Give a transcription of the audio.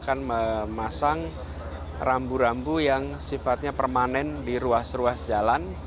akan memasang rambu rambu yang sifatnya permanen di ruas ruas jalan